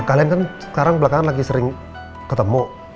kalian kan sekarang belakangan lagi sering ketemu